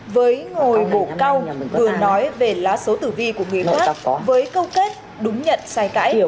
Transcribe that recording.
với ngồi bổ cao vừa nói về lá số tử vi của người khác với câu kết đúng nhận sai cãi